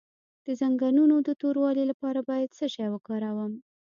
د زنګونونو د توروالي لپاره باید څه شی وکاروم؟